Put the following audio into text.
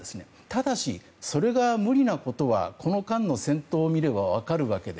ただし、それが無理なことはこの間の戦闘を見れば分かるわけで。